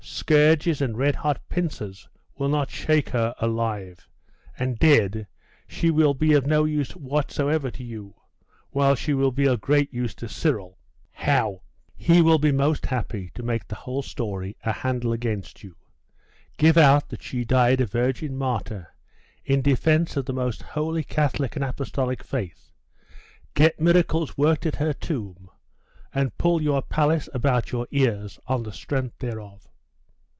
Scourges and red hot pincers will not shake her, alive; and dead, she will be of no use whatsoever to you, while she will be of great use to Cyril.' 'How?' 'He will be most happy to make the whole story a handle against you, give out that she died a virgin martyr, in defence of the most holy catholic and apostolic faith, get miracles worked at her tomb, and pull your palace about your ears on the strength thereof.